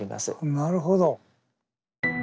なるほど。